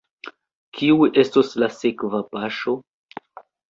Kiu estos la sekva paŝo?